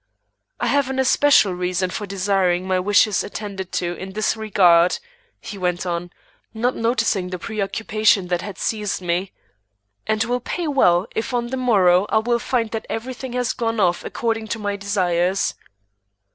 I have an especial reason for desiring my wishes attended to in this regard," he went on, not noticing the preoccupation that had seized me, "and will pay well if on the morrow I find that every thing has gone off according to my desires."